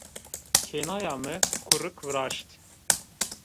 Kênaya mi kurik viraşt